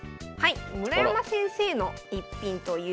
村山先生の逸品ということで。